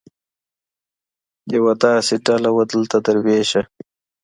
يوه داسي ډله وه دلته دروېشه !